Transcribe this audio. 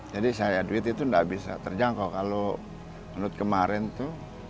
jadi saya duit itu nggak bisa terjangkau kalau menurut kemarin itu